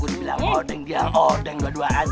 aku bilang ordeng dia ordeng dua duaan